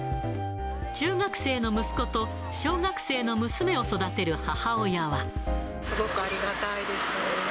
中学生の息子と小学生の娘を育てすごくありがたいですね。